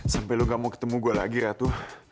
sampai lo gak mau ketemu gue lagi ratu